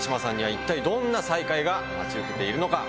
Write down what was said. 志麻さんには一体、どんな再会が待ち受けているのか。